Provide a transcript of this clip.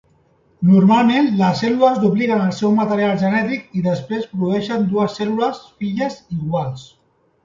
Normalment, les cèl·lules dupliquen el seu material genètic i després produeixen dues cèl·lules filles iguals.